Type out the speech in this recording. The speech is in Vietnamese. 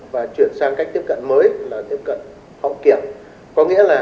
và trong trường hợp